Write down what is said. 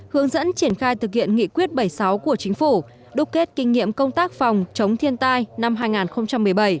hướng dẫn triển khai thực hiện nghị quyết bảy mươi sáu của chính phủ đúc kết kinh nghiệm công tác phòng chống thiên tai năm hai nghìn một mươi bảy